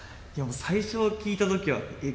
最初聞いたときは、えっ？